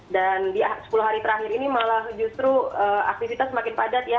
dan di sepuluh hari terakhir ini malah justru aktivitas semakin padat ya